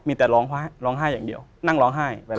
มีแต่ร้องไห้อย่างเดียวนั่งร้องไห้